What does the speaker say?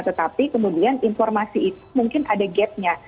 tetapi kemudian informasi itu mungkin ada gap nya